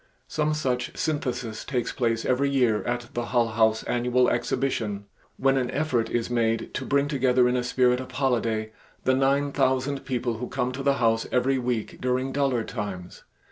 Some such synthesis takes place every year at the Hull House annual exhibition, when an effort is made to bring together in a spirit of holiday the nine thousand people who come to the House every week during duller times.